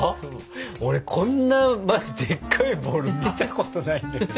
俺こんなまずでっかいボウル見たことないんだけど。